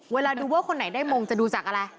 เวลาดูว่าคนไหนได้มงจะดูจากอะไร